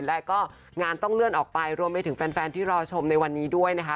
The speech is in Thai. และก็งานต้องเลื่อนออกไปรวมไปถึงแฟนที่รอชมในวันนี้ด้วยนะคะ